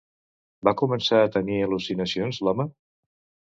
Va començar a tenir al·lucinacions l'home?